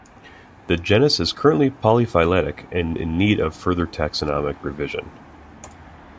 The genus is currently polyphyletic and in need of further taxonomic revision.